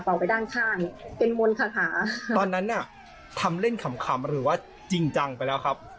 ออกไปด้านข้างเป็นมนต์คาถาตอนนั้นน่ะทำเล่นขำขำหรือว่าจริงจังไปแล้วครับ